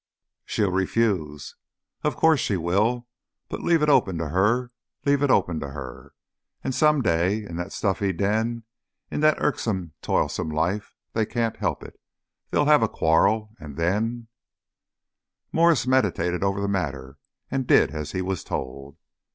"She'll refuse." "Of course she will. But leave it open to her. Leave it open to her. And some day in that stuffy den, in that irksome, toilsome life they can't help it they'll have a quarrel. And then " Mwres meditated over the matter, and did as he was told.